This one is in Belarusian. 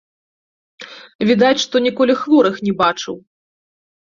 Відаць, што ніколі хворых не бачыў.